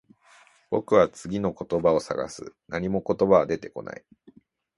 僕は次の言葉を探す。何も言葉は出てこない。